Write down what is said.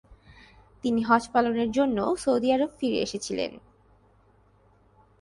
তিনি হজ পালনের জন্য সৌদি আরব ফিরে এসেছিলেন।